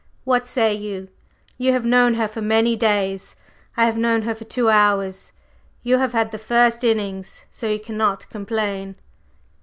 What say you? You have known her for many days, I have known her for two hours. You have had the first innings, so you cannot complain."